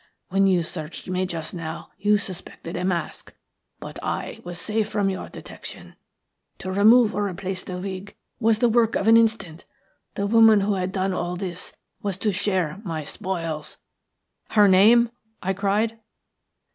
When you searched me just now you suspected a mask, but I was safe from your detection. To remove or replace the wig was the work of an instant. The woman who had done all this was to share my spoils." "Her name?" I cried.